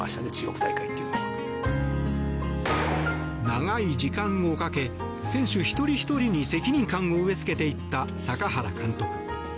長い時間をかけ選手一人ひとりに責任感を植えつけていった坂原監督。